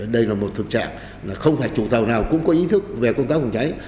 đây là một thực trạng là không phải chủ tàu nào cũng có ý thức về công tác phòng cháy